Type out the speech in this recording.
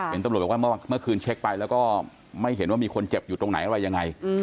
ตำรวจบอกว่าเมื่อคืนเช็คไปแล้วก็ไม่เห็นว่ามีคนเจ็บอยู่ตรงไหนอะไรยังไง